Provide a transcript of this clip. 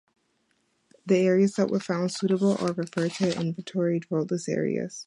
The areas that were found suitable are referred to as inventoried roadless areas.